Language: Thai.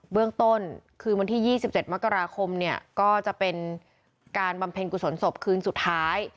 เรื่องต้นคืนวันที่๒๗มกราคมเนี่ยก็จะเป็นการบำเพ็ญกุศลศพคืนสุดท้าย